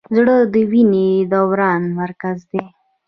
زړه د وینې دوران مرکز دی.